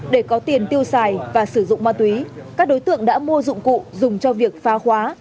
để có tiền tiêu xài và sử dụng ma túy các đối tượng đã mua dụng cụ dùng cho việc phá khóa